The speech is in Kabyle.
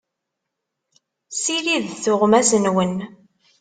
Ssiridet tuɣmas-nwen.